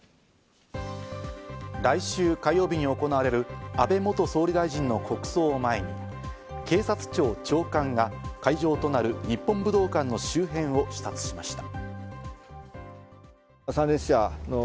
来週火曜日に行われる安倍元総理大臣の国葬を前に、警察庁長官が会場となる日本武道館の周辺を視察しました。